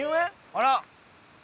あら！